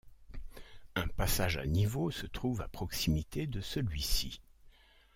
Un passage à niveau se trouve à proximité de celui-ci.